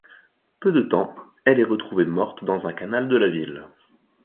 Peu de temps, elle est retrouvée morte dans un canal de la ville.